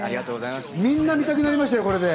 みんな見たくなりましたよ、これで。